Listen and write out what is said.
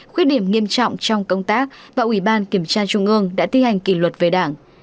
khuyết điểm nghiêm trọng trong công tác và ủy ban kiểm tra trung ương đã thi hành kỷ luật về đảng